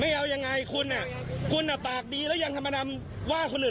เอายังไงคุณคุณอ่ะปากดีแล้วยังทำมานำว่าคนอื่น